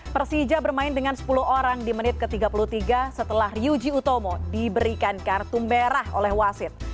persija bermain dengan sepuluh orang di menit ke tiga puluh tiga setelah ryuji utomo diberikan kartu merah oleh wasit